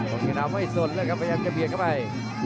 กางเกงาไม่สนแล้วครับพยายามจะเบียดเข้าไป